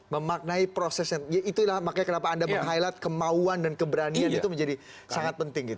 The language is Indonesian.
memaknai prosesnya ya itulah makanya kenapa anda meng highlight kemauan dan keberanian itu menjadi sangat penting gitu